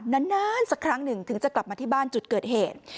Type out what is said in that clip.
นานสักครั้งหนึ่งถึงจะกลับมาที่บ้านจุดเกิดเหตุ